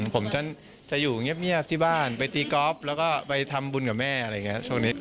ผมจะอยู่เงียบที่บ้านไปตีกอล์ฟแล้วก็ไปทำบุญกับแม่อะไรอย่างนี้